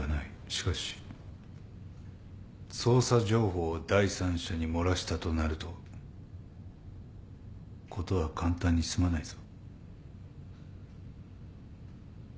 しかし捜査情報を第三者に漏らしたとなると事は簡単に済まないぞ。